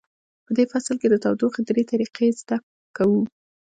په دې فصل کې د تودوخې درې طریقې زده کوو.